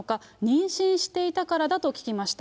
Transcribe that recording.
妊娠していたからだと聞きました。